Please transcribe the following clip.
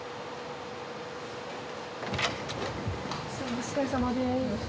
お疲れさまです